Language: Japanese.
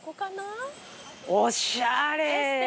おしゃれ。